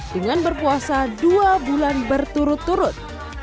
dengan berpuasa dua bulan berturut turut